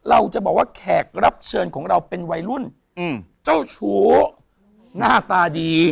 เราจะบอกว่าแขกรับเชิญของเราเป็นวัยรุ่นเจ้าชู้หน้าตาดี